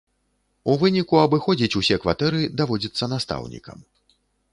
У выніку абыходзіць усе кватэры даводзіцца настаўнікам.